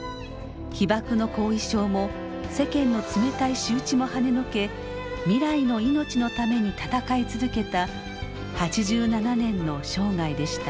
被ばくの後遺症も世間の冷たい仕打ちもはねのけ未来の命のために闘い続けた８７年の生涯でした。